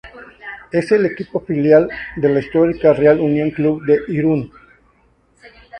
Es el equipo filial de la histórica Real Unión Club de Irún.